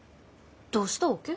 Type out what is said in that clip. どうしたわけ？